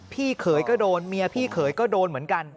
เขยก็โดนเมียพี่เขยก็โดนเหมือนกัน